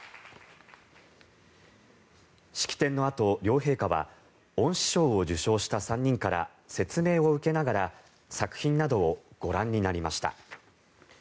式典のあと、両陛下は恩賜賞を受賞した３人から説明を受けながら作品などをご覧になりました。